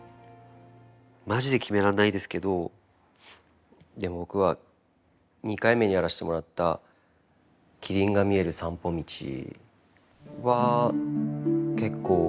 マジで決めらんないですけどでも僕は２回目にやらせてもらった「キリンが見える散歩道」は結構思い出深いですね。